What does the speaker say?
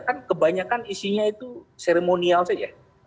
kan kebanyakan isinya itu seremonial saja